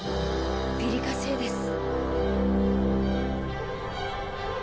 ピリカ星です。